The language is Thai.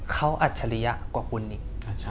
เขาอัดเฉลี่ยกว่าคุณอีก